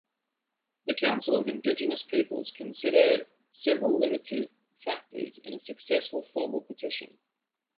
The Council of Indigenous Peoples consider several limited factors in a successful formal petition.